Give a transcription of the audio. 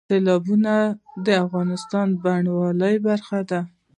سیلابونه د افغانستان د بڼوالۍ برخه ده.